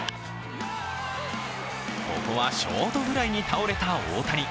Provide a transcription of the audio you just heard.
ここはショートフライに倒れた大谷。